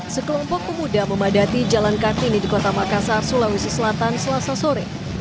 sekelompok pemuda memadati jalan kartini di kota makassar sulawesi selatan selasa sore